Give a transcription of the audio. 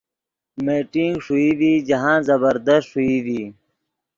میٹنگ ݰوئی ڤی جاہند زبردست ݰوئی ڤی۔